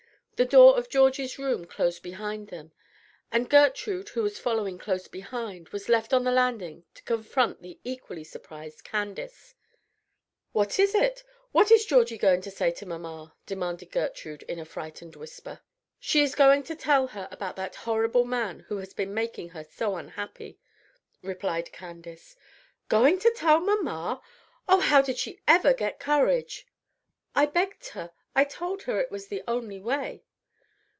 The door of Georgie's room closed behind them; and Gertrude, who was following close behind, was left on the landing to confront the equally surprised Candace. "What is it? What is Georgie going to say to mamma?" demanded Gertrude, in a frightened whisper. "She is going to tell her about that horrible man who has been making her so unhappy," replied Candace. "Going to tell mamma! oh, how did she ever get courage?" "I begged her I told her it was the only way."